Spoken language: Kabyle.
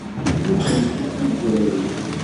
Nekkenti d timezrawin.